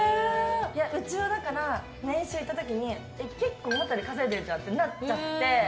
うちは年収言ったときに結構思っていたより稼いでるじゃんってなっちゃって。